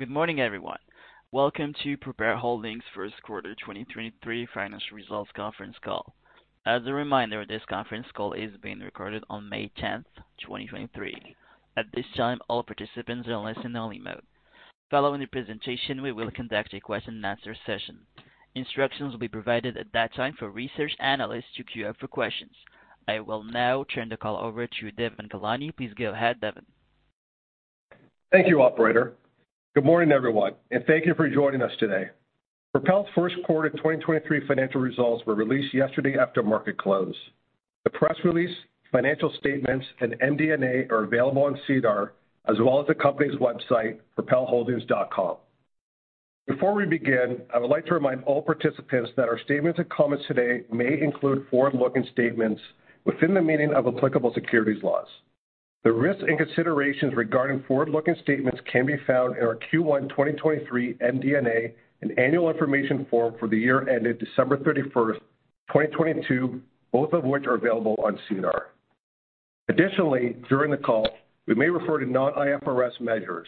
Good morning, everyone. Welcome to Propel Holdings first quarter 2023 financial results conference call. As a reminder, this conference call is being recorded on May 10, 2023. At this time, all participants are in listen only mode. Following the presentation, we will conduct a question and answer session. Instructions will be provided at that time for research analysts to queue up for questions. I will now turn the call over to Devon Ghelani. Please go ahead, Devan. Thank you, operator. Good morning, everyone, and thank you for joining us today. Propel's first quarter 2023 financial results were released yesterday after market close. The press release, financial statements, and MD&A are available on SEDAR as well as the company's website, propelholdings.com. Before we begin, I would like to remind all participants that our statements and comments today may include forward-looking statements within the meaning of applicable securities laws. The risks and considerations regarding forward-looking statements can be found in our Q1 2023 MD&A and annual information form for the year ended December 31st, 2022, both of which are available on SEDAR. Additionally, during the call, we may refer to non-IFRS measures.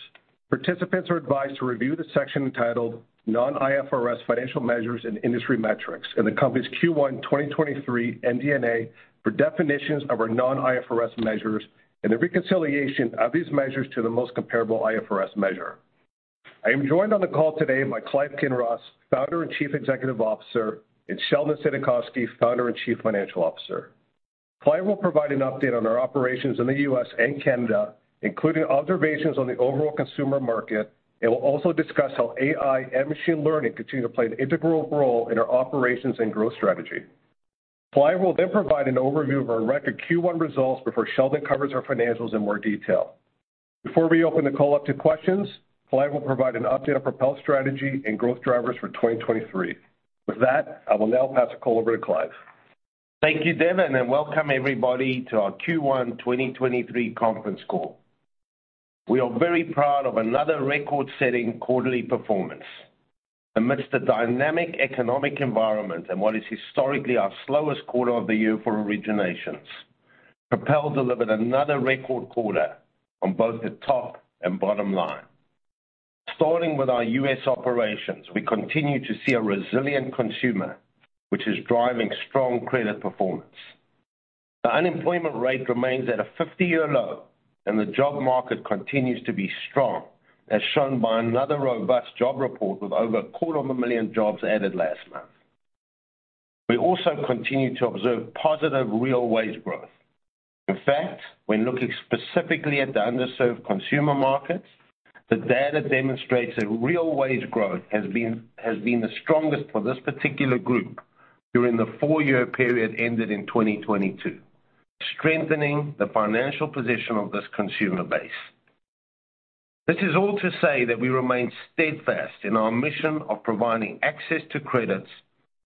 Participants are advised to review the section entitled Non-IFRS Financial Measures and Industry Metrics in the company's Q1 2023 MD&A for definitions of our non-IFRS measures and the reconciliation of these measures to the most comparable IFRS measure. I am joined on the call today by Clive Kinross, Co-Founder and Chief Executive Officer, and Sheldon Saidakowsky, Co-Founder and Chief Financial Officer. Clive will provide an update on our operations in the U.S. and Canada, including observations on the overall consumer market, and will also discuss how AI and machine learning continue to play an integral role in our operations and growth strategy. Clive will then provide an overview of our record Q1 results before Sheldon covers our financials in more detail. Before we open the call up to questions, Clive will provide an update on Propel strategy and growth drivers for 2023. With that, I will now pass the call over to Clive. Thank you, Devan. Welcome everybody to our Q1 2023 conference call. We are very proud of another record-setting quarterly performance. Amidst the dynamic economic environment, what is historically our slowest quarter of the year for originations, Propel delivered another record quarter on both the top and bottom line. Starting with our U.S. operations, we continue to see a resilient consumer, which is driving strong credit performance. The unemployment rate remains at a 50-year low, the job market continues to be strong, as shown by another robust job report with over a quarter of a million jobs added last month. We also continue to observe positive real wage growth. In fact, when looking specifically at the underserved consumer markets, the data demonstrates that real wage growth has been the strongest for this particular group during the four-year period ended in 2022, strengthening the financial position of this consumer base. This is all to say that we remain steadfast in our mission of providing access to credits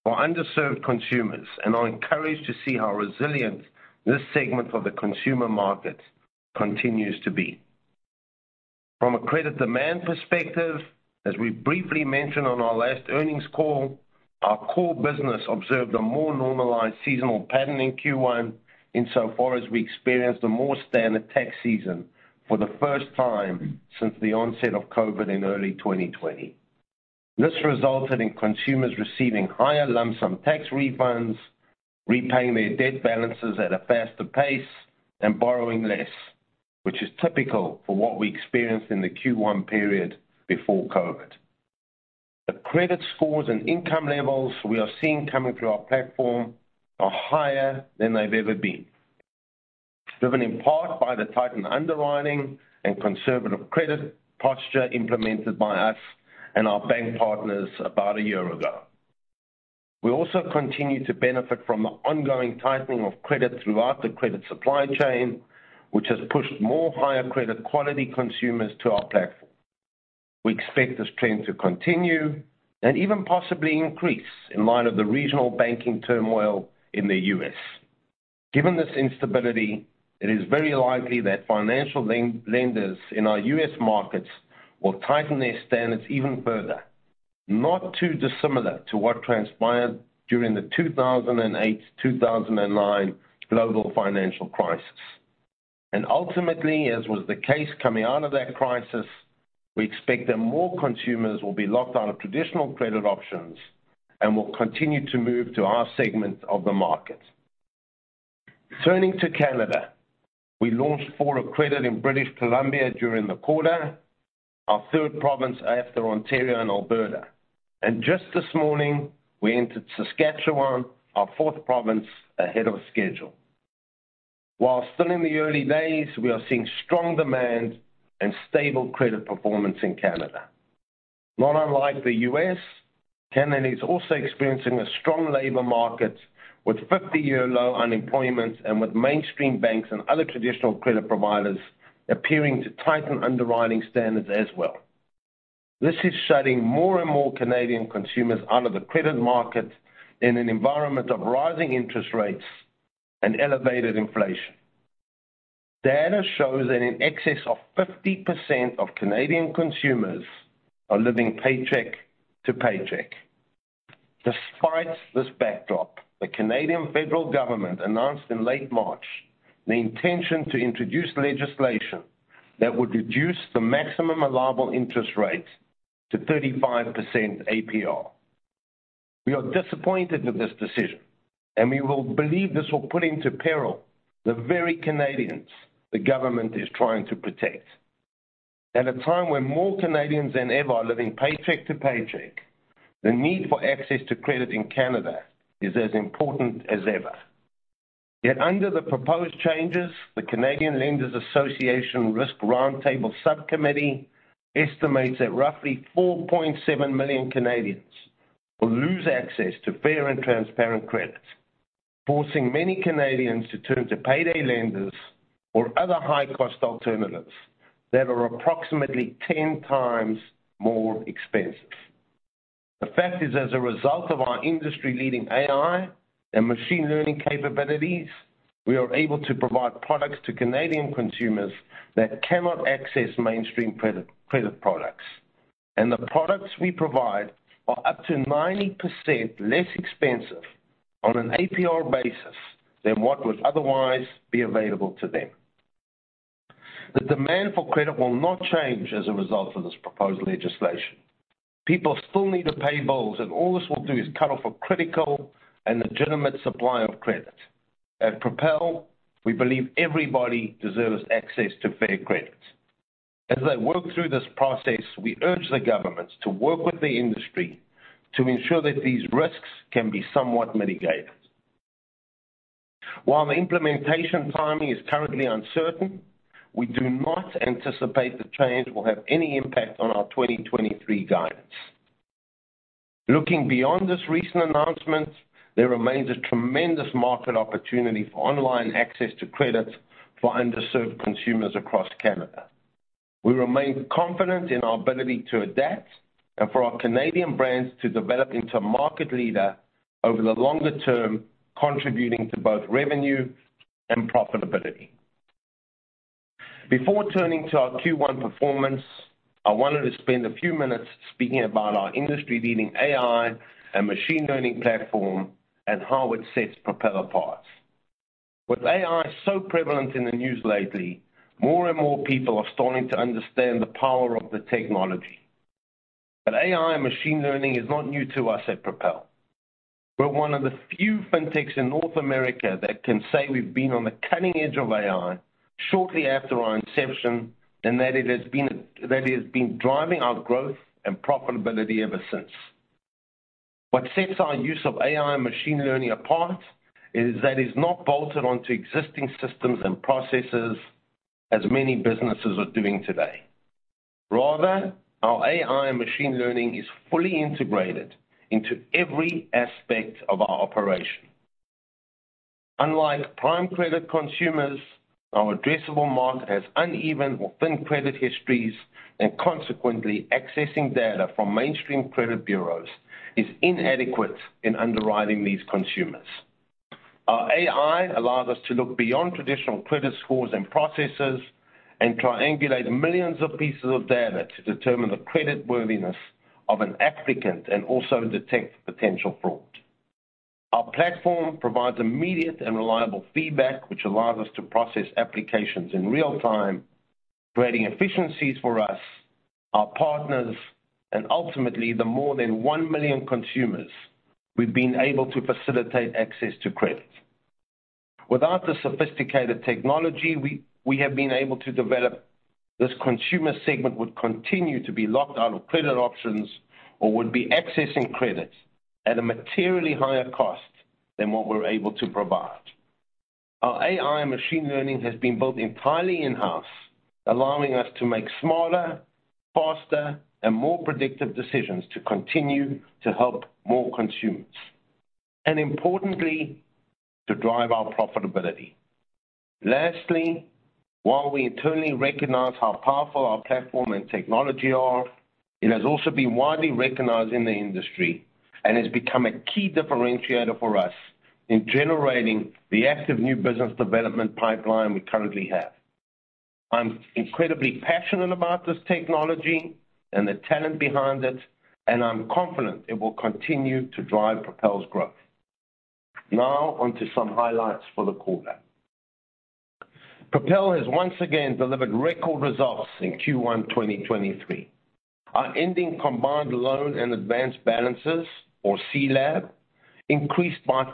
for underserved consumers and are encouraged to see how resilient this segment of the consumer market continues to be. From a credit demand perspective, as we briefly mentioned on our last earnings call, our core business observed a more normalized seasonal pattern in Q1 insofar as we experienced a more standard tax season for the first time since the onset of COVID in early 2020. This resulted in consumers receiving higher lump sum tax refunds, repaying their debt balances at a faster pace and borrowing less, which is typical for what we experienced in the Q1 period before COVID. The credit scores and income levels we are seeing coming through our platform are higher than they've ever been. Driven in part by the tightened underwriting and conservative credit posture implemented by us and our bank partners about a year ago. We also continue to benefit from the ongoing tightening of credit throughout the credit supply chain, which has pushed more higher credit quality consumers to our platform. We expect this trend to continue and even possibly increase in light of the regional banking turmoil in the U.S. Given this instability, it is very likely that financial lenders in our U.S. markets will tighten their standards even further, not too dissimilar to what transpired during the 2008, 2009 global financial crisis. Ultimately, as was the case coming out of that crisis, we expect that more consumers will be locked out of traditional credit options and will continue to move to our segment of the market. Turning to Canada, we launched Fora Credit in British Columbia during the quarter, our third province after Ontario and Alberta. Just this morning, we entered Saskatchewan, our fourth province ahead of schedule. While still in the early days, we are seeing strong demand and stable credit performance in Canada. Not unlike the U.S., Canada is also experiencing a strong labor market with 50-year low unemployment and with mainstream banks and other traditional credit providers appearing to tighten underwriting standards as well. This is shutting more and more Canadian consumers out of the credit market in an environment of rising interest rates and elevated inflation. Data shows that in excess of 50% of Canadian consumers are living paycheck to paycheck. Despite this backdrop, the Canadian federal government announced in late March the intention to introduce legislation that would reduce the maximum allowable interest rates to 35% APR. We are disappointed with this decision, we will believe this will put into peril the very Canadians the government is trying to protect. At a time when more Canadians than ever are living paycheck to paycheck, the need for access to credit in Canada is as important as ever. Yet under the proposed changes, the Canadian Lenders Association Risk Roundtable Subcommittee estimates that roughly 4.7 million Canadians will lose access to fair and transparent credit, forcing many Canadians to turn to payday lenders or other high-cost alternatives that are approximately 10 times more expensive. The fact is, as a result of our industry-leading AI and machine learning capabilities, we are able to provide products to Canadian consumers that cannot access mainstream credit products. The products we provide are up to 90% less expensive on an APR basis than what would otherwise be available to them. The demand for credit will not change as a result of this proposed legislation. People still need to pay bills. All this will do is cut off a critical and legitimate supply of credit. At Propel, we believe everybody deserves access to fair credit. As they work through this process, we urge the governments to work with the industry to ensure that these risks can be somewhat mitigated. While the implementation timing is currently uncertain, we do not anticipate the change will have any impact on our 2023 guidance. Looking beyond this recent announcement, there remains a tremendous market opportunity for online access to credit for underserved consumers across Canada. We remain confident in our ability to adapt and for our Canadian brands to develop into a market leader over the longer term, contributing to both revenue and profitability. Before turning to our Q1 performance, I wanted to spend a few minutes speaking about our industry-leading AI and machine learning platform and how it sets Propel apart. With AI so prevalent in the news lately, more and more people are starting to understand the power of the technology. AI and machine learning is not new to us at Propel. We're one of the few fintechs in North America that can say we've been on the cutting edge of AI shortly after our inception, and that it has been driving our growth and profitability ever since. What sets our use of AI and machine learning apart is that it's not bolted onto existing systems and processes as many businesses are doing today. Rather, our AI and machine learning is fully integrated into every aspect of our operation. Unlike prime credit consumers, our addressable market has uneven or thin credit histories, consequently, accessing data from mainstream credit bureaus is inadequate in underwriting these consumers. Our AI allows us to look beyond traditional credit scores and processes and triangulate millions of pieces of data to determine the creditworthiness of an applicant and also detect potential fraud. Our platform provides immediate and reliable feedback, which allows us to process applications in real time, creating efficiencies for us, our partners, and ultimately, the more than one million consumers we've been able to facilitate access to credit. Without the sophisticated technology we have been able to develop, this consumer segment would continue to be locked out of credit options or would be accessing credit at a materially higher cost than what we're able to provide. Our AI and machine learning has been built entirely in-house, allowing us to make smarter, faster, and more predictive decisions to continue to help more consumers, and importantly, to drive our profitability. Lastly, while we internally recognize how powerful our platform and technology are, it has also been widely recognized in the industry and has become a key differentiator for us in generating the active new business development pipeline we currently have. I'm incredibly passionate about this technology and the talent behind it, and I'm confident it will continue to drive Propel's growth. On to some highlights for the quarter. Propel has once again delivered record results in Q1 2023. Our ending Combined Loan and Advance Balances, or CLAB, increased by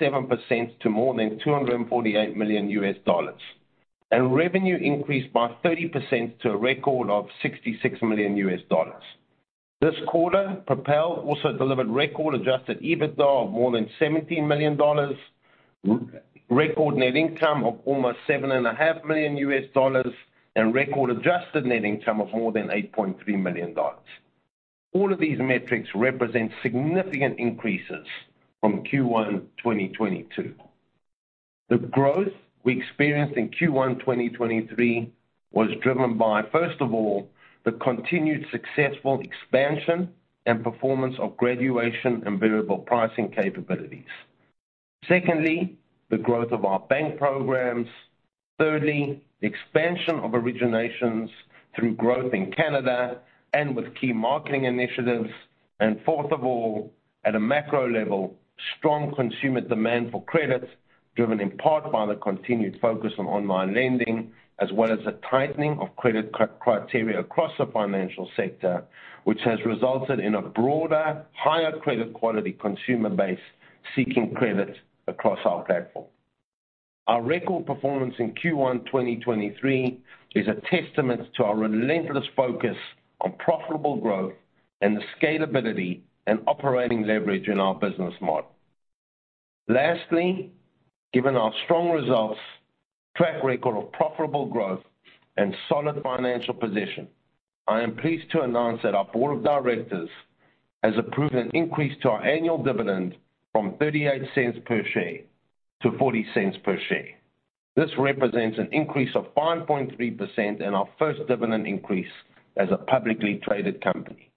57% to more than $248 million. Revenue increased by 30% to a record of $66 million. This quarter, Propel also delivered record adjusted EBITDA of more than $70 million, record net income of almost $7.5 million, and record adjusted net income of more than $8.3 million. All of these metrics represent significant increases from Q1 2022. The growth we experienced in Q1 2023 was driven by, first of all, the continued successful expansion and performance of graduation and variable pricing capabilities. Secondly, the growth of our bank programs. Thirdly, the expansion of originations through growth in Canada and with key marketing initiatives. Fourth of all, at a macro level, strong consumer demand for credit, driven in part by the continued focus on online lending, as well as a tightening of credit criteria across the financial sector, which has resulted in a broader, higher credit quality consumer base seeking credit across our platform. Our record performance in Q1 2023 is a testament to our relentless focus on profitable growth and the scalability and operating leverage in our business model. Lastly, given our strong results, track record of profitable growth, and solid financial position, I am pleased to announce that our board of directors has approved an increase to our annual dividend from 0.38 per share to 0.40 per share. This represents an increase of 5.3% and our first dividend increase as a publicly traded company.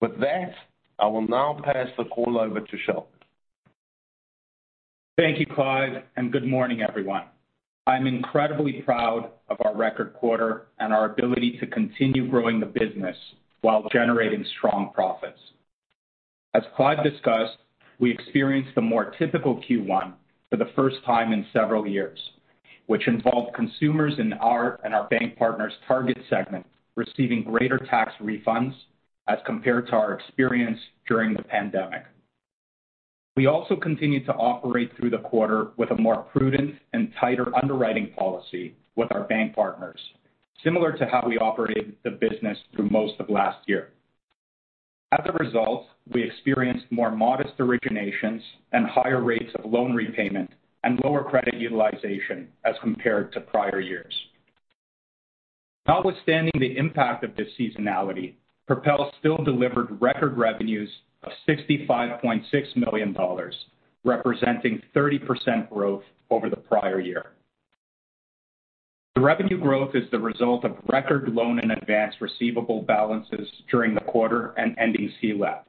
With that, I will now pass the call over to Sheldon. Thank you, Clive, and good morning, everyone. I'm incredibly proud of our record quarter and our ability to continue growing the business while generating strong profits. As Clive discussed, we experienced the more typical Q1 for the first time in several years, which involved consumers in our and our bank partners target segment receiving greater tax refunds as compared to our experience during the pandemic. We also continued to operate through the quarter with a more prudent and tighter underwriting policy with our bank partners, similar to how we operated the business through most of last year. As a result, we experienced more modest originations and higher rates of loan repayment and lower credit utilization as compared to prior years. Notwithstanding the impact of this seasonality, Propel still delivered record revenues of $65.6 million, representing 30% growth over the prior year. The revenue growth is the result of record loan and advanced receivable balances during the quarter and ending CLAB,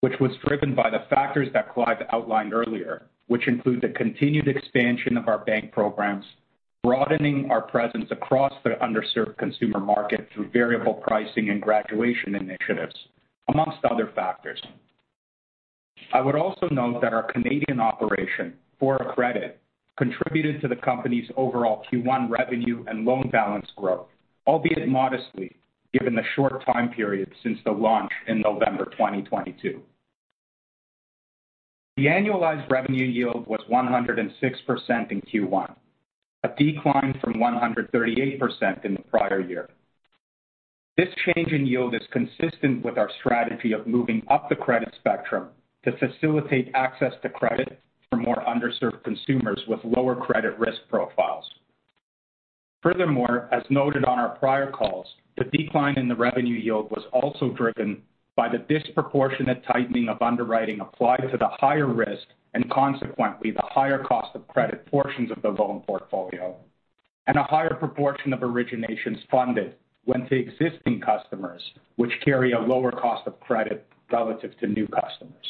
which was driven by the factors that Clive outlined earlier, which include the continued expansion of our bank programs, broadening our presence across the underserved consumer market through variable pricing and graduation initiatives, amongst other factors. I would also note that our Canadian operation Fora Credit contributed to the company's overall Q1 revenue and loan balance growth, albeit modestly, given the short time period since the launch in November 2022. The annualized revenue yield was 106% in Q1, a decline from 138% in the prior year. This change in yield is consistent with our strategy of moving up the credit spectrum to facilitate access to credit for more underserved consumers with lower credit risk profiles. Furthermore, as noted on our prior calls, the decline in the revenue yield was also driven by the disproportionate tightening of underwriting applied to the higher risk and consequently the higher cost of credit portions of the loan portfolio, and a higher proportion of originations funded went to existing customers which carry a lower cost of credit relative to new customers.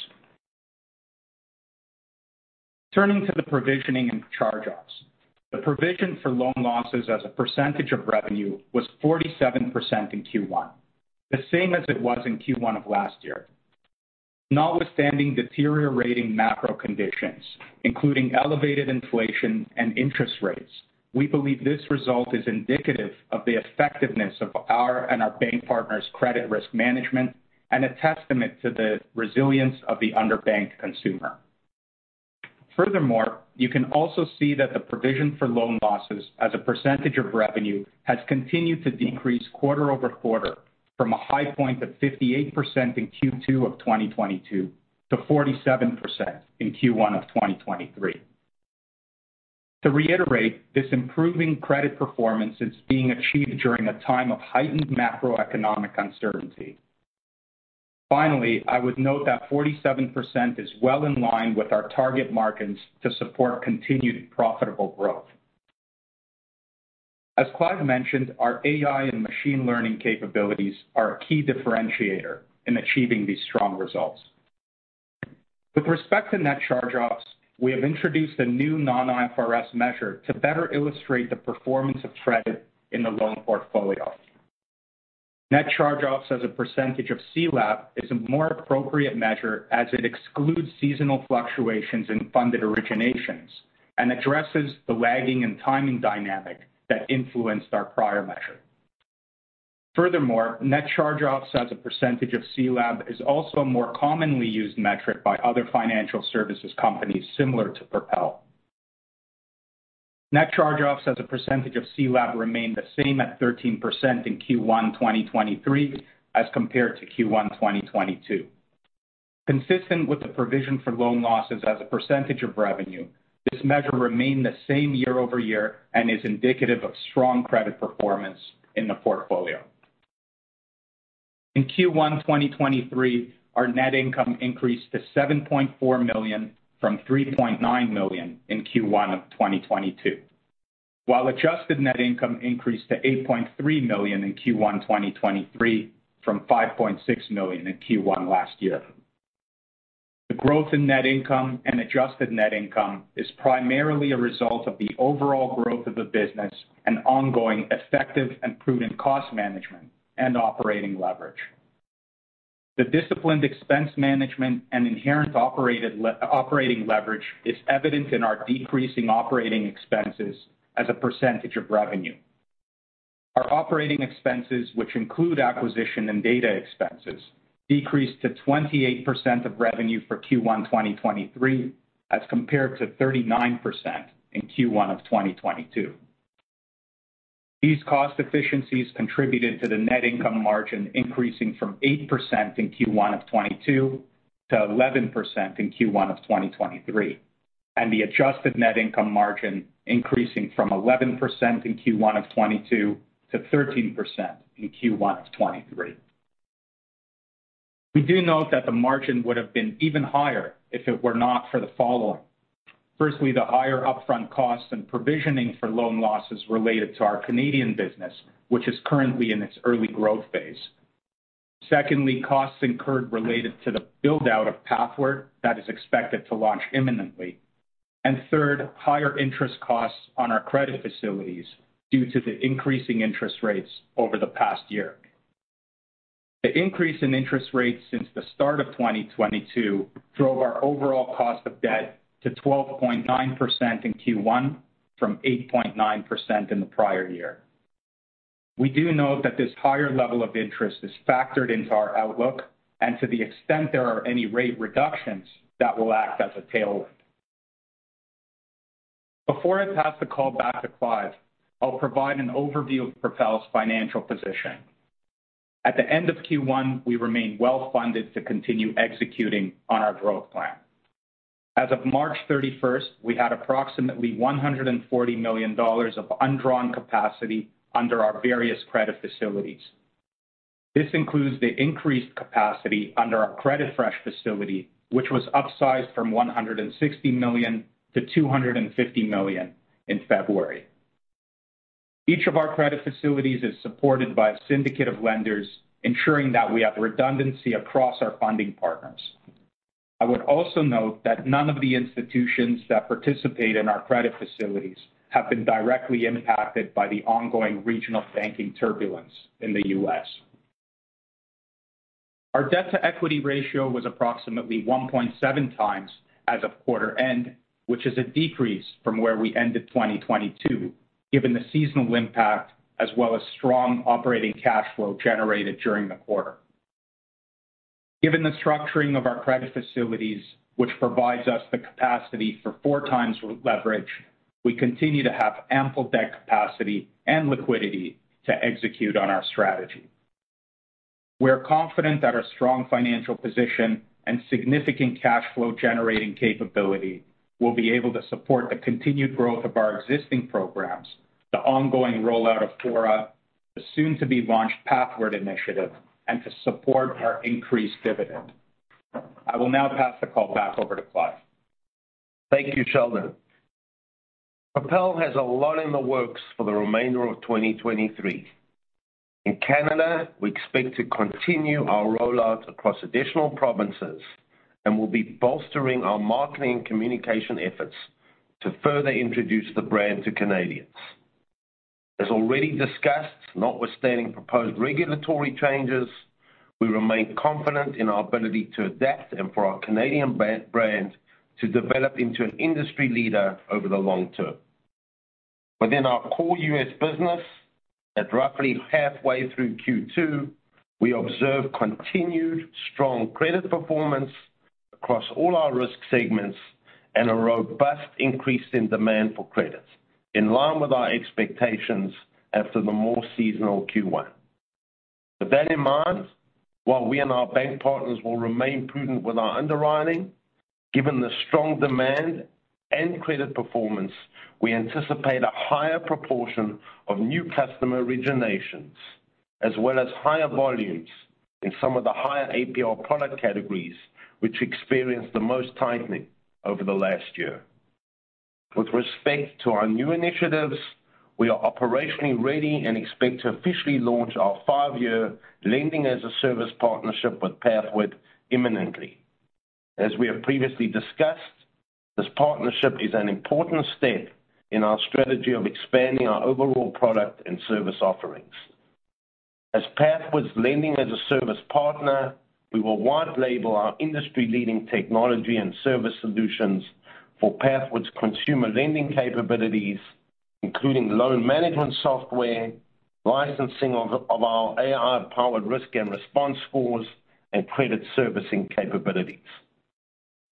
Turning to the provisioning and charge-offs. The provision for loan losses as a percentage of revenue was 47% in Q1, the same as it was in Q1 of last year. Notwithstanding deteriorating macro conditions, including elevated inflation and interest rates, we believe this result is indicative of the effectiveness of our and our bank partners' credit risk management and a testament to the resilience of the underbanked consumer. You can also see that the provision for loan losses as a percentage of revenue has continued to decrease quarter-over-quarter from a high point of 58% in Q2 of 2022 to 47% in Q1 of 2023. To reiterate, this improving credit performance is being achieved during a time of heightened macroeconomic uncertainty. I would note that 47% is well in line with our target margins to support continued profitable growth. As Clive mentioned, our AI and machine learning capabilities are a key differentiator in achieving these strong results. With respect to net charge-offs, we have introduced a new non-IFRS measure to better illustrate the performance of credit in the loan portfolio. Net charge-offs as a percentage of CLAB is a more appropriate measure as it excludes seasonal fluctuations in funded originations and addresses the lagging and timing dynamic that influenced our prior measure. Net charge-offs as a percentage of CLAB is also a more commonly used metric by other financial services companies similar to Propel. Net charge-offs as a percentage of CLAB remained the same at 13% in Q1 2023 as compared to Q1 2022. Consistent with the provision for loan losses as a percentage of revenue, this measure remained the same year-over-year and is indicative of strong credit performance in the portfolio. In Q1 2023, our net income increased to 7.4 million from 3.9 million in Q1 2022. Adjusted net income increased to 8.3 million in Q1 2023 from 5.6 million in Q1 2022. The growth in net income and adjusted net income is primarily a result of the overall growth of the business and ongoing effective and prudent cost management and operating leverage. The disciplined expense management and inherent operating leverage is evident in our decreasing operating expenses as a percentage of revenue. Our operating expenses, which include acquisition and data expenses, decreased to 28% of revenue for Q1 2023 as compared to 39% in Q1 2022. These cost efficiencies contributed to the net income margin increasing from 8% in Q1 2022 to 11% in Q1 2023, and the adjusted net income margin increasing from 11% in Q1 2022 to 13% in Q1 2023. We do note that the margin would have been even higher if it were not for the following. Firstly, the higher upfront costs and provisioning for loan losses related to our Canadian business, which is currently in its early growth phase. Secondly, costs incurred related to the build-out of Pathward that is expected to launch imminently. Third, higher interest costs on our credit facilities due to the increasing interest rates over the past year. The increase in interest rates since the start of 2022 drove our overall cost of debt to 12.9% in Q1 from 8.9% in the prior year. We do note that this higher level of interest is factored into our outlook and to the extent there are any rate reductions that will act as a tailwind. Before I pass the call back to Clive, I'll provide an overview of Propel's financial position. At the end of Q1, we remain well-funded to continue executing on our growth plan. As of March 31st, we had approximately $140 million of undrawn capacity under our various credit facilities. This includes the increased capacity under our CreditFresh facility, which was upsized from 160 million to 250 million in February. Each of our credit facilities is supported by a syndicate of lenders, ensuring that we have redundancy across our funding partners. I would also note that none of the institutions that participate in our credit facilities have been directly impacted by the ongoing regional banking turbulence in the U.S. Our debt-to-equity ratio was approximately 1.7 times as of quarter end, which is a decrease from where we ended 2022, given the seasonal impact as well as strong operating cash flow generated during the quarter. Given the structuring of our credit facilities, which provides us the capacity for 4 times leverage, we continue to have ample debt capacity and liquidity to execute on our strategy. We're confident that our strong financial position and significant cash flow-generating capability will be able to support the continued growth of our existing programs, the ongoing rollout of Fora, the soon-to-be-launched Pathward initiative, and to support our increased dividend. I will now pass the call back over to Clive. Thank you, Sheldon. Propel has a lot in the works for the remainder of 2023. In Canada, we expect to continue our rollout across additional provinces, and we'll be bolstering our marketing communication efforts to further introduce the brand to Canadians. As already discussed, notwithstanding proposed regulatory changes, we remain confident in our ability to adapt and for our Canadian brand to develop into an industry leader over the long term. Within our core U.S. business, at roughly halfway through Q2, we observe continued strong credit performance across all our risk segments and a robust increase in demand for credit, in line with our expectations after the more seasonal Q1. With that in mind, while we and our bank partners will remain prudent with our underwriting, given the strong demand and credit performance, we anticipate a higher proportion of new customer originations, as well as higher volumes in some of the higher APR product categories, which experienced the most tightening over the last year. With respect to our new initiatives, we are operationally ready and expect to officially launch our five-year lending as a service partnership with Pathward imminently. As we have previously discussed, this partnership is an important step in our strategy of expanding our overall product and service offerings. As Pathward's lending as a service partner, we will white label our industry-leading technology and service solutions for Pathward's consumer lending capabilities, including loan management software, licensing of our AI-powered risk and response scores, and credit servicing capabilities.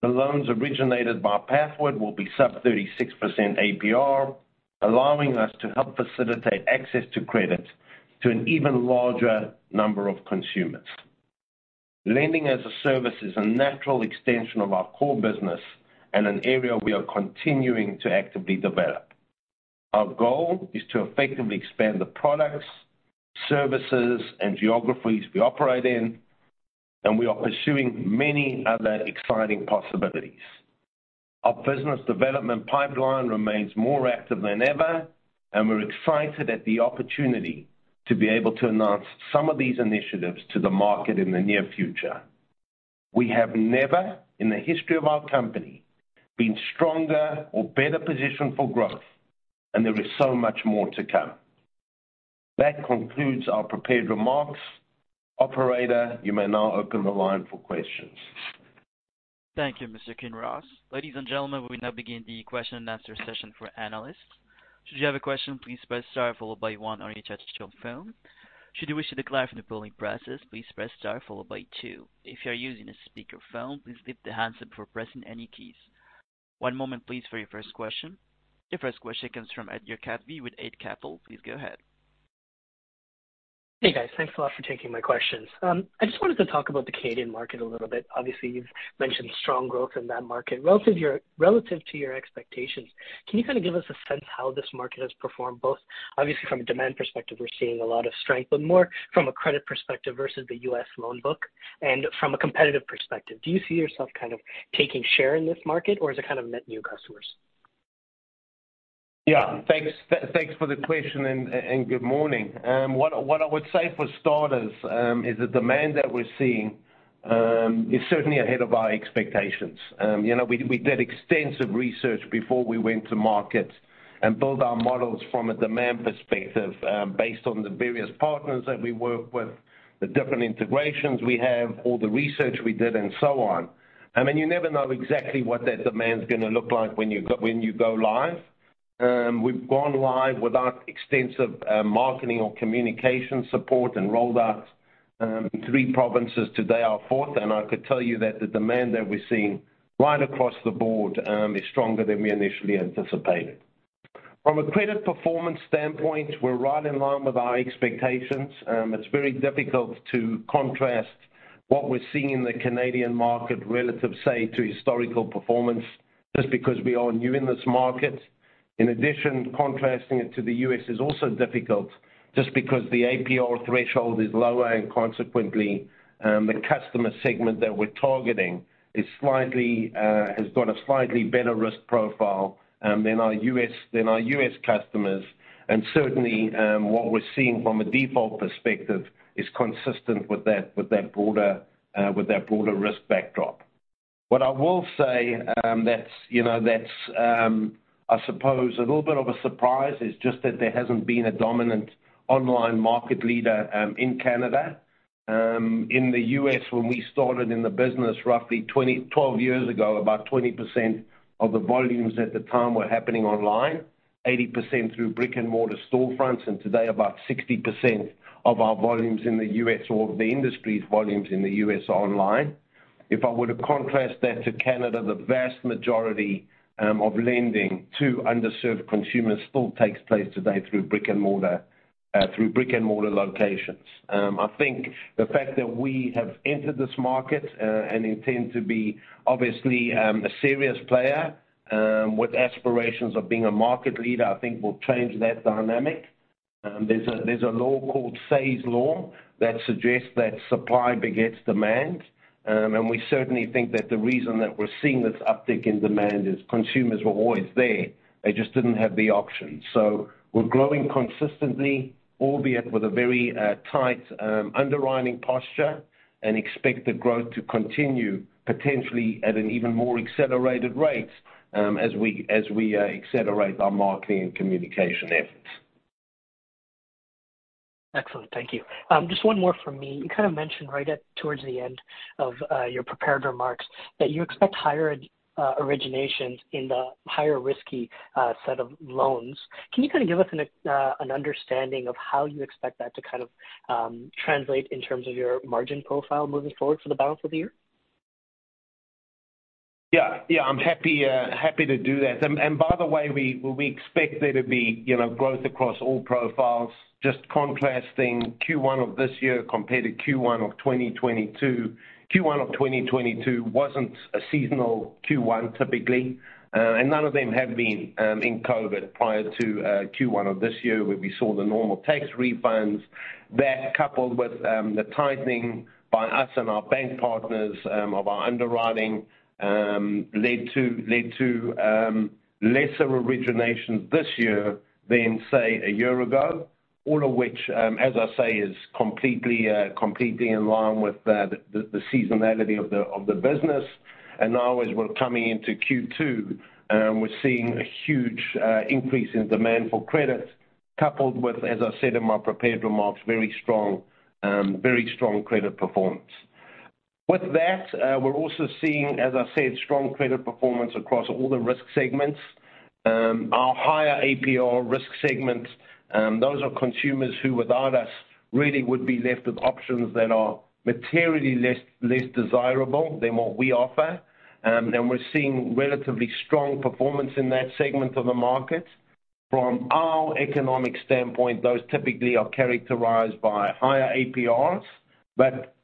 The loans originated by Pathward will be sub 36% APR, allowing us to help facilitate access to credit to an even larger number of consumers. lending as a service is a natural extension of our core business and an area we are continuing to actively develop. Our goal is to effectively expand the products, services, and geographies we operate in. We are pursuing many other exciting possibilities. Our business development pipeline remains more active than ever, and we're excited at the opportunity to be able to announce some of these initiatives to the market in the near future. We have never in the history of our company been stronger or better positioned for growth, and there is so much more to come. That concludes our prepared remarks. Operator, you may now open the line for questions. Thank you, Mr. Kinross. Ladies and gentlemen, we now begin the question and answer session for analysts. Should you have a question, please press star followed by one on your touchtone phone. Should you wish to declare from the polling process, please press star followed by two. If you're using a speakerphone, please lift the handset before pressing any keys. One moment please for your first question. Your first question comes from Adhir Kadve with Eight Capital. Please go ahead. Hey, guys. Thanks a lot for taking my questions. I just wanted to talk about the Canadian market a little bit. Obviously, you've mentioned strong growth in that market. Relative to your expectations, can you kind of give us a sense how this market has performed, both obviously from a demand perspective, we're seeing a lot of strength, but more from a credit perspective versus the U.S. loan book and from a competitive perspective? Do you see yourself kind of taking share in this market, or is it kind of net new customers? Yeah. Thanks for the question and good morning. What I would say for starters, is the demand that we're seeing, is certainly ahead of our expectations. You know, we did extensive research before we went to market and build our models from a demand perspective, based on the various partners that we work with, the different integrations we have, all the research we did and so on. I mean, you never know exactly what that demand's gonna look like when you go live. We've gone live with our extensive marketing or communication support and rolled out three provinces today, our fourth. I could tell you that the demand that we're seeing right across the board, is stronger than we initially anticipated. From a credit performance standpoint, we're right in line with our expectations. It's very difficult to contrast what we're seeing in the Canadian market relative, say, to historical performance just because we are new in this market. In addition, contrasting it to the U.S. is also difficult just because the APR threshold is lower and consequently, the customer segment that we're targeting is slightly has got a slightly better risk profile than our U.S., than our U.S. customers. Certainly, what we're seeing from a default perspective is consistent with that, with that broader, with that broader risk backdrop. What I will say, that's, you know, that's, I suppose a little bit of a surprise is just that there hasn't been a dominant online market leader in Canada. In the U.S., when we started in the business roughly 12 years ago, about 20% of the volumes at the time were happening online, 80% through brick-and-mortar storefronts, and today about 60% of our volumes in the U.S. or the industry's volumes in the U.S. are online. If I were to contrast that to Canada, the vast majority of lending to underserved consumers still takes place today through brick-and-mortar locations. I think the fact that we have entered this market and intend to be obviously a serious player with aspirations of being a market leader, I think will change that dynamic. There's a law called Say's law that suggests that supply begets demand. We certainly think that the reason that we're seeing this uptick in demand is consumers were always there. They just didn't have the option. We're growing consistently, albeit with a very tight underwriting posture and expect the growth to continue potentially at an even more accelerated rate as we accelerate our marketing and communication efforts. Excellent. Thank you. Just one more from me. You kind of mentioned right at towards the end of your prepared remarks that you expect higher originations in the higher risky set of loans. Can you kind of give us an understanding of how you expect that to kind of translate in terms of your margin profile moving forward for the balance of the year? Yeah. Yeah, I'm happy happy to do that. By the way, we expect there to be, you know, growth across all profiles. Just contrasting Q1 of this year compared to Q1 of 2022. Q1 of 2022 wasn't a seasonal Q1 typically, and none of them have been in COVID prior to Q1 of this year where we saw the normal tax refunds. That coupled with the tightening by us and our bank partners of our underwriting led to lesser originations this year than, say, a year ago. All of which, as I say, is completely in line with the seasonality of the business. Now as we're coming into Q2, we're seeing a huge increase in demand for credit coupled with, as I said in my prepared remarks, very strong credit performance. With that, we're also seeing, as I said, strong credit performance across all the risk segments. Our higher APR risk segments, those are consumers who without us really would be left with options that are materially less desirable than what we offer. We're seeing relatively strong performance in that segment of the market. From our economic standpoint, those typically are characterized by higher APRs.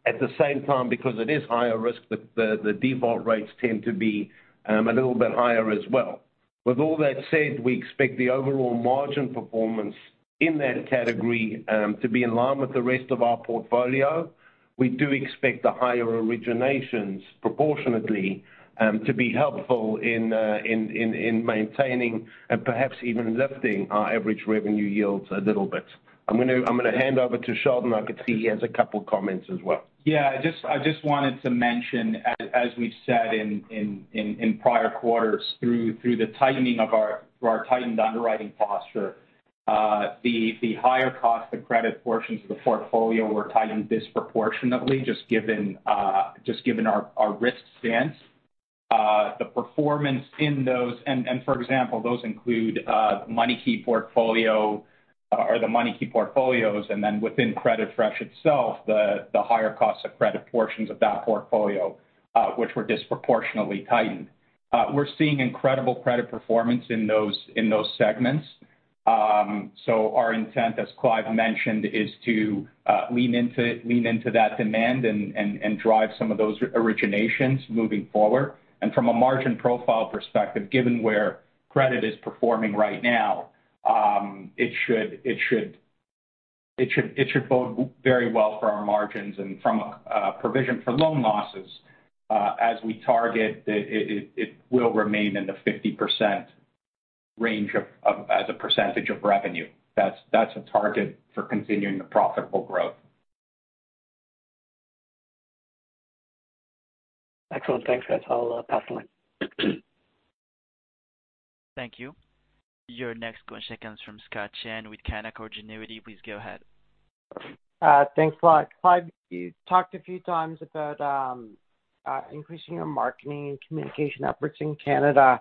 At the same time, because it is higher risk, the default rates tend to be a little bit higher as well. With all that said, we expect the overall margin performance in that category to be in line with the rest of our portfolio. We do expect the higher originations proportionately to be helpful in maintaining and perhaps even lifting our average revenue yields a little bit. I'm gonna hand over to Sheldon. I could see he has a couple of comments as well. Yeah. I just wanted to mention, as we've said in prior quarters through our tightened underwriting posture, the higher cost of credit portions of the portfolio were tightened disproportionately just given our risk stance. The performance in those. For example, those include MoneyKey portfolio or the MoneyKey portfolios, and then within CreditFresh itself, the higher cost of credit portions of that portfolio, which were disproportionately tightened. We're seeing incredible credit performance in those segments. Our intent, as Clive mentioned, is to lean into that demand and drive some of those originations moving forward. From a margin profile perspective, given where credit is performing right now, it should bode very well for our margins and from a provision for loan losses, as we target the. It will remain in the 50% range of as a percentage of revenue. That's a target for continuing the profitable growth. Excellent. Thanks, guys. I'll pass the line. Thank you. Your next question comes from Scott Chan with Canaccord Genuity. Please go ahead. Thanks a lot. Clive, you talked a few times about, increasing your marketing and communication efforts in Canada.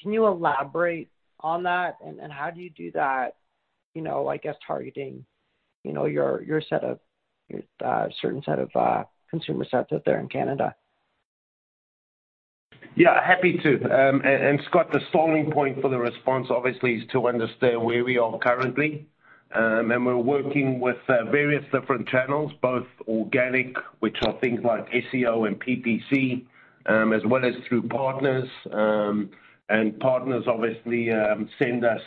Can you elaborate on that? How do you do that, you know, I guess, targeting, you know, your set of, certain set of consumer sets out there in Canada? Yeah, happy to. Scott, the starting point for the response, obviously, is to understand where we are currently. We're working with various different channels, both organic, which are things like SEO and PPC, as well as through partners, and partners obviously send us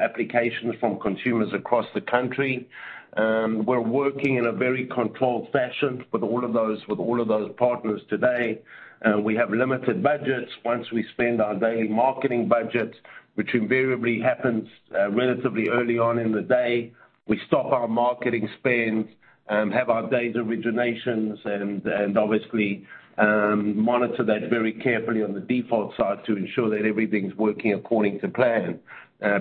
applications from consumers across the country. We're working in a very controlled fashion with all of those partners today. We have limited budgets. Once we spend our daily marketing budget, which invariably happens relatively early on in the day, we stop our marketing spends, have our day's originations, and obviously monitor that very carefully on the default side to ensure that everything's working according to plan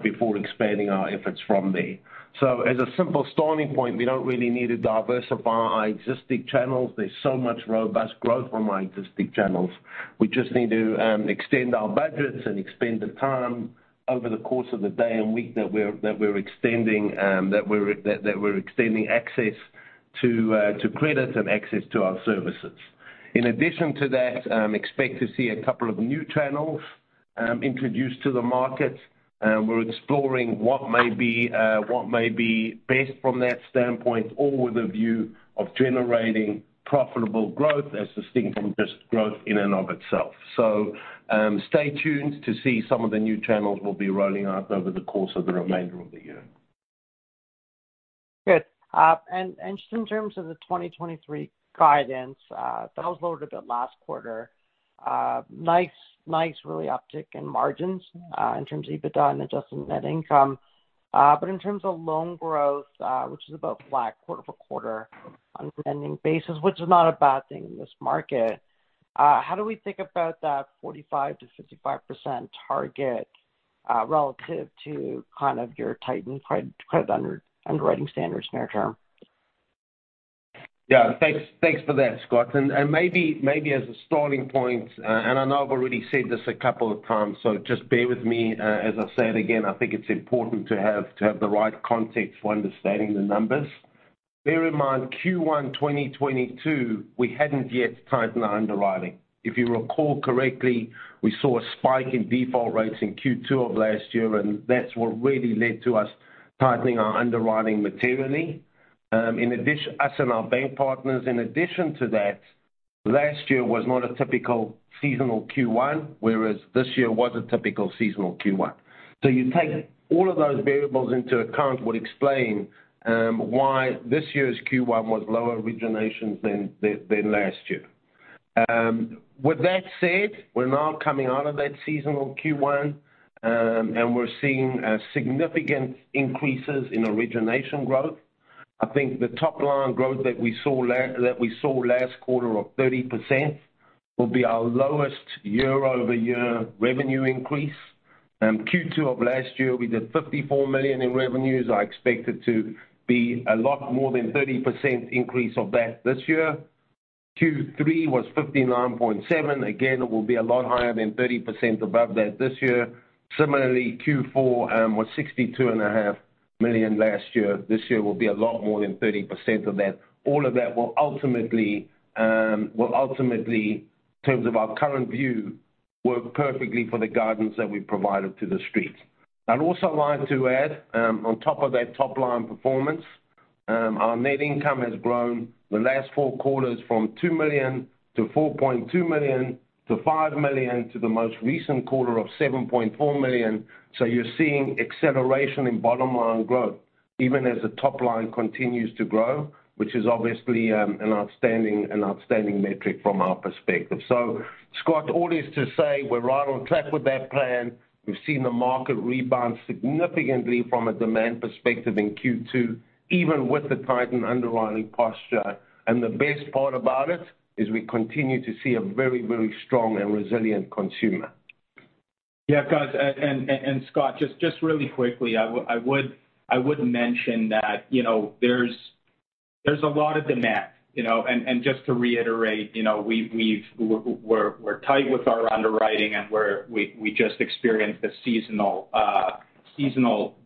before expanding our efforts from there. As a simple starting point, we don't really need to diversify our existing channels. There's so much robust growth from our existing channels. We just need to extend our budgets and expend the time over the course of the day and week that we're extending access to credit and access to our services. In addition to that, expect to see a couple of new channels introduced to the market. We're exploring what may be what may be best from that standpoint or with a view of generating profitable growth as distinct from just growth in and of itself. Stay tuned to see some of the new channels we'll be rolling out over the course of the remainder of the year. Good. Just in terms of the 2023 guidance, that was lowered a bit last quarter. nice really uptick in margins, in terms of EBITDA and adjusted net income. In terms of loan growth, which is about flat quarter-over-quarter on a spending basis, which is not a bad thing in this market, how do we think about that 45%-55% target, relative to kind of your tightened credit underwriting standards near term? Thanks for that, Scott. Maybe as a starting point, and I know I've already said this a couple of times, so just bear with me, as I say it again, I think it's important to have the right context for understanding the numbers. Bear in mind, Q1 2022, we hadn't yet tightened our underwriting. If you recall correctly, we saw a spike in default rates in Q2 of last year, and that's what really led to us tightening our underwriting materially. Us and our bank partners. In addition to that, last year was not a typical seasonal Q1, whereas this year was a typical seasonal Q1. You take all of those variables into account would explain why this year's Q1 was lower originations than last year. With that said, we're now coming out of that seasonal Q1, we're seeing significant increases in origination growth. I think the top line growth that we saw last quarter of 30% will be our lowest year-over-year revenue increase. Q2 of last year, we did 54 million in revenues. I expect it to be a lot more than 30% increase of that this year. Q3 was 59.7. Again, it will be a lot higher than 30% above that this year. Similarly, Q4 was 62.5 million last year. This year will be a lot more than 30% of that. All of that will ultimately, in terms of our current view, work perfectly for the guidance that we provided to The Street. I'd also like to add, on top of that top line performance, our net income has grown the last four quarters from 2 million to 4.2 million to 5 million to the most recent quarter of 7.4 million. You're seeing acceleration in bottom line growth even as the top line continues to grow, which is obviously, an outstanding metric from our perspective. Scott, all is to say we're right on track with that plan. We've seen the market rebound significantly from a demand perspective in Q2, even with the tightened underwriting posture. The best part about it is we continue to see a very strong and resilient consumer. Yeah. Guys, Scott, just really quickly, I would mention that, you know, there's a lot of demand, you know. Just to reiterate, you know, we've we're tight with our underwriting and we just experienced the seasonal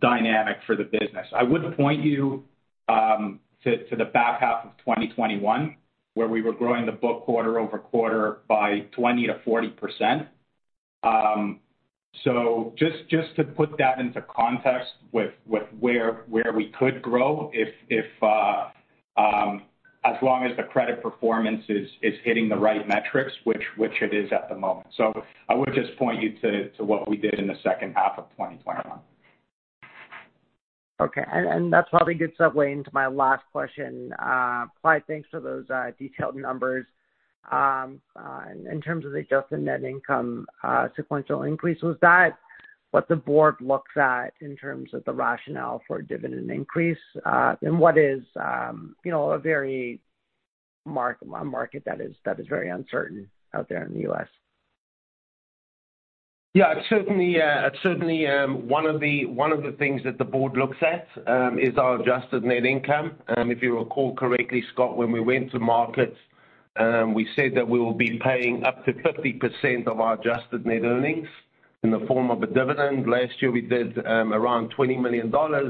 dynamic for the business. I would point you to the back half of 2021 where we were growing the book quarter-over-quarter by 20%-40%. Just to put that into context with where we could grow if as long as the credit performance is hitting the right metrics, which it is at the moment. I would just point you to what we did in the second half of 2021. Okay. That's probably a good segue into my last question. Clive, thanks for those detailed numbers. In terms of adjusted net income, sequential increase, was that what the board looked at in terms of the rationale for dividend increase, in what is, you know, a very market that is very uncertain out there in the US? Yeah, certainly, one of the things that the board looks at is our adjusted net income. If you recall correctly, Scott, when we went to market, we said that we will be paying up to 50% of our adjusted net earnings in the form of a dividend. Last year, we did around $20 million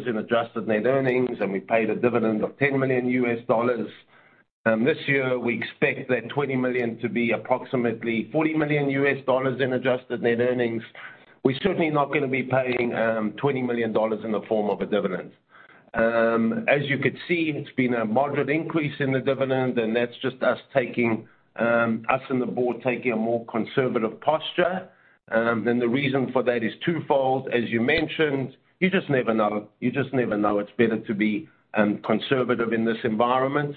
in adjusted net earnings. We paid a dividend of $10 million. This year we expect tha $20 million to be approximately $40 million in adjusted net earnings. We're certainly not gonna be paying $20 million in the form of a dividend. As you could see, it's been a moderate increase in the dividend, and that's just us taking, us and the board taking a more conservative posture. The reason for that is twofold. As you mentioned, you just never know. You just never know. It's better to be conservative in this environment.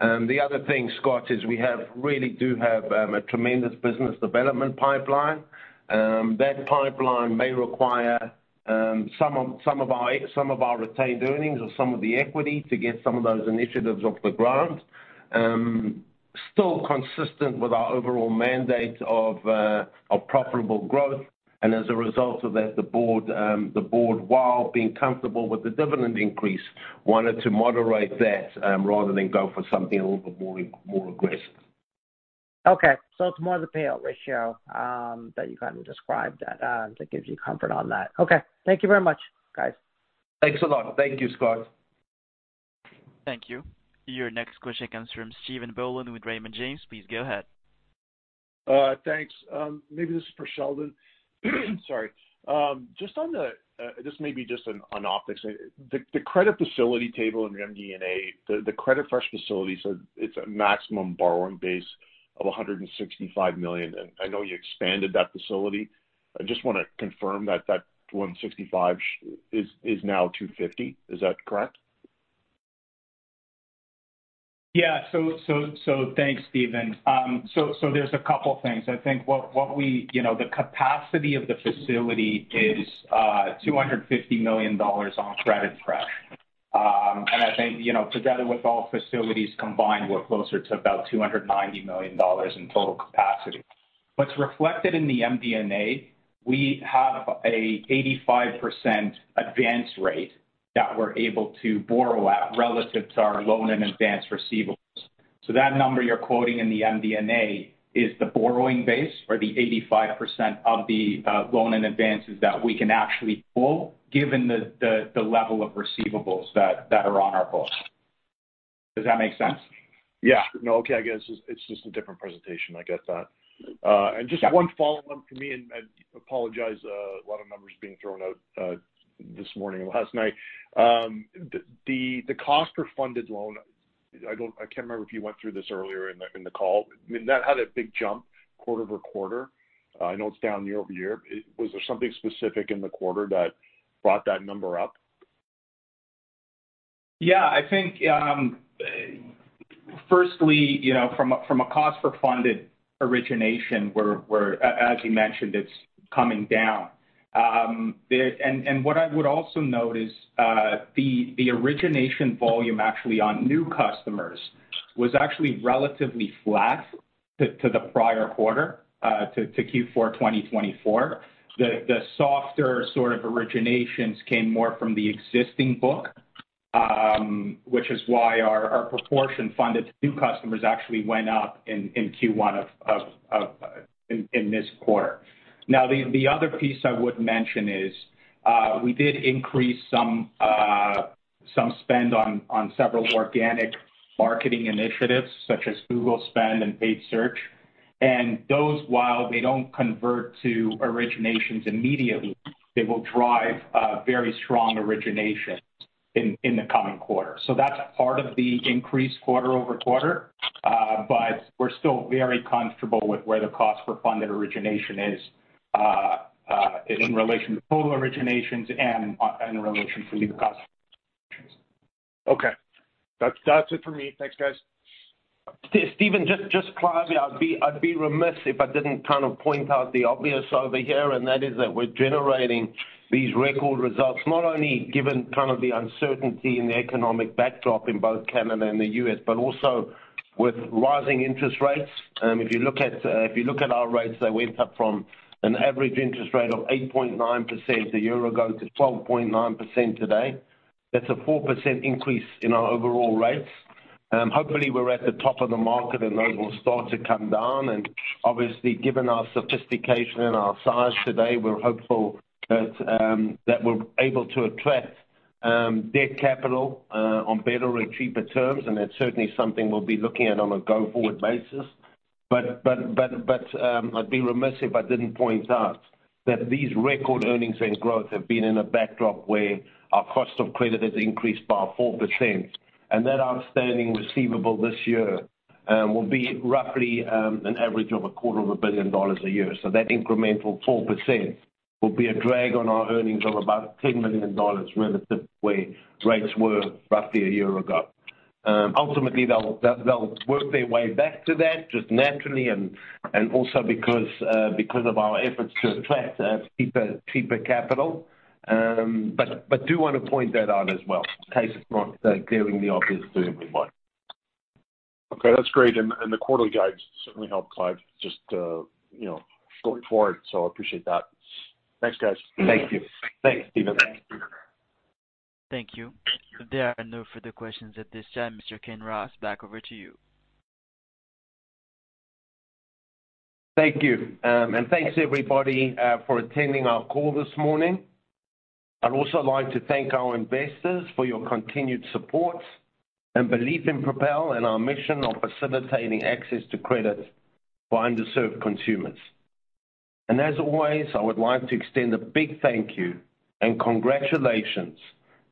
The other thing, Scott, is we really do have a tremendous business development pipeline. That pipeline may require some of our retained earnings or some of the equity to get some of those initiatives off the ground. Still consistent with our overall mandate of profitable growth. As a result of that, the board, while being comfortable with the dividend increase, wanted to moderate that rather than go for something a little bit more aggressive. Okay. It's more the payout ratio, that you kind of described that gives you comfort on that. Okay. Thank you very much, guys. Thanks a lot. Thank you, Scott. Thank you. Your next question comes from Stephen Boland with Raymond James. Please go ahead. Thanks. Maybe this is for Sheldon. Sorry. Just on the, this may be just an optics. The credit facility table in your MD&A, the CreditFresh facility says it's a maximum borrowing base of 165 million, and I know you expanded that facility. I just wanna confirm that that 165 is now 250. Is that correct? Yeah. Thanks, Stephen. There's a couple things. I think what we... You know, the capacity of the facility is $250 million on CreditFresh. And I think, you know, together with all facilities combined, we're closer to about $290 million in total capacity. What's reflected in the MD&A, we have a 85% advance rate that we're able to borrow at relative to our loan and advance receivables. That number you're quoting in the MD&A is the borrowing base or the 85% of the loan and advances that we can actually pull given the level of receivables that are on our books. Does that make sense? Yeah. No. Okay. I guess it's just a different presentation. I get that. Yeah. Just one follow-up for me, I apologize, a lot of numbers being thrown out this morning and last night. The cost for funded loan, I can't remember if you went through this earlier in the call. I mean, that had a big jump quarter-over-quarter. I know it's down year-over-year. Was there something specific in the quarter that brought that number up? Yeah. I think, firstly, you know, from a Cost per Funded Origination, as you mentioned, it's coming down. What I would also note is, the origination volume actually on new customers was actually relatively flat to the prior quarter, to Q4 2022. The softer sort of originations came more from the existing book, which is why our proportion funded to new customers actually went up in Q1 of this quarter. The other piece I would mention is, we did increase some spend on several organic marketing initiatives such as Google spend and paid search. Those while they don't convert to originations immediately, they will drive a very strong origination in the coming quarter. That's part of the increase quarter-over-quarter. We're still very comfortable with where the Cost per Funded Origination is in relation to total originations and in relation to new customers. Okay. That's it for me. Thanks, guys. Stephen, just finally, I'd be remiss if I didn't kind of point out the obvious over here, that is that we're generating these record results not only given kind of the uncertainty in the economic backdrop in both Canada and the U.S., but also with rising interest rates. If you look at our rates, they went up from an average interest rate of 8.9% a year ago to 12.9% today. That's a 4% increase in our overall rates. Hopefully we're at the top of the market. Those will start to come down. Obviously, given our sophistication and our size today, we're hopeful that we're able to attract debt capital on better and cheaper terms. That's certainly something we'll be looking at on a go-forward basis. I'd be remiss if I didn't point out that these record earnings and growth have been in a backdrop where our cost of credit has increased by 4%. That outstanding receivable this year will be roughly an average of a quarter of a billion dollars a year. That incremental 4% will be a drag on our earnings of about $10 million relative to where rates were roughly a year ago. Ultimately, they'll work their way back to that just naturally and also because of our efforts to attract cheaper capital. I do want to point that out as well in case it's not clearly obvious to everyone. Okay, that's great. The quarterly guides certainly help Clive just, you know, going forward, so I appreciate that. Thanks, guys. Thank you. Thanks, Stephen. Thank you. There are no further questions at this time. Mr. Kinross, back over to you. Thank you. Thanks everybody for attending our call this morning. I'd also like to thank our investors for your continued support and belief in Propel and our mission of facilitating access to credit for underserved consumers. As always, I would like to extend a big thank you and congratulations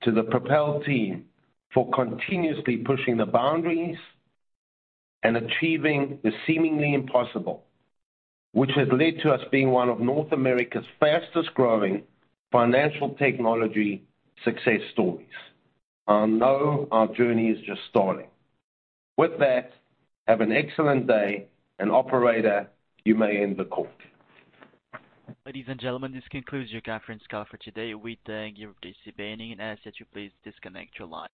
to the Propel team for continuously pushing the boundaries and achieving the seemingly impossible, which has led to us being one of North America's fastest-growing financial technology success stories. I know our journey is just starting. With that, have an excellent day. Operator, you may end the call. Ladies and gentlemen, this concludes your conference call for today. We thank you for participating and ask that you please disconnect your line.